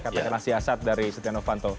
katakanlah si asat dari setia novanto